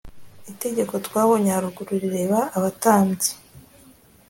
itegeko twabonye haruguru rireba abatambyi